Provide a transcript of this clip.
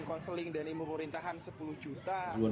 lima orang diperintahkan sepuluh juta